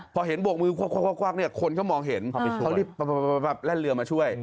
พอเห็นบวกมือกว้างคนเขามองเห็นเขาได้แป๊บแล่นเรือมาช่วย